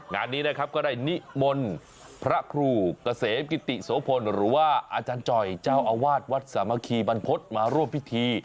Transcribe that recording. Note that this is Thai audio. งานนี้นะครับก็ได้นิมนต์พระครูเกษมกิติโสพลหรือว่าอาจารย์จ่อยเจ้าอาวาสวัดสามัคคีบรรพฤษมาร่วมพิธี